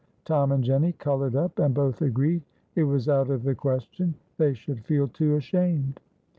Tom and Jenny colored up, and both agreed it was out of the question they should feel too ashamed.